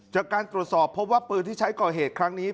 จากการตรวจสอบพบว่าปืนที่ใช้ก่อเหตุครั้งนี้